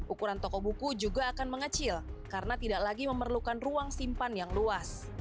ukuran toko buku juga akan mengecil karena tidak lagi memerlukan ruang simpan yang luas